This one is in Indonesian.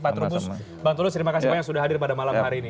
pak trubus bang tulus terima kasih banyak sudah hadir pada malam hari ini